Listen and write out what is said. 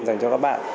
dành cho các bạn